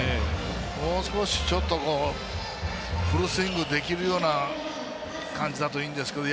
もう少しフルスイングできるような感じだといいんですけど。